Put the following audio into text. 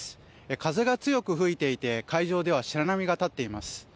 風が強く吹いていて海上では白波が立っています。